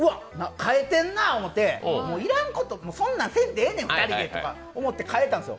変えてんなって思って要らんこと、そんなんせんでええのにとか思って変えたんですよ。